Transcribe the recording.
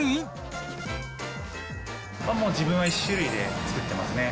もう、自分は１種類で作ってますね。